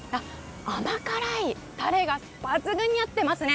甘辛いタレが抜群に合ってますね！